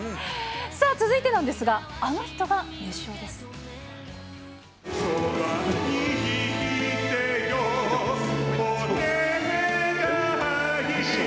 さあ、続いてなんですが、あの人が熱唱です。